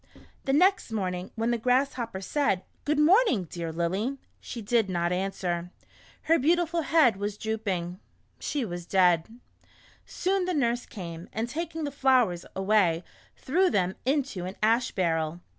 The next morning, when the Grasshopper said, " Good morning, dear Lily," she did not answer. Her beautiful head was drooping. She was dead. Soon the nurse came, and taking the flowers, away, threw them into an ash barrel.